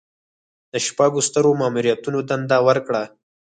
د شپږو سترو ماموریتونو دنده ورکړه.